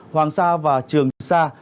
hoàng sa và trường sa